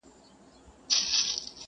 o اتفاق ته غرونه څه دي؟